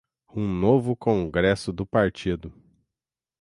um novo Congresso do Partido